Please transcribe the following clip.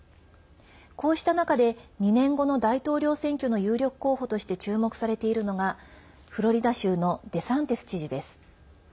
こうした中で２年後の大統領選挙の有力候補として注目されているのがフロリダ州のデサンティス知事です。